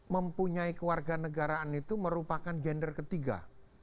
mempunyai keluarga negaraan itu merupakan gender ketiga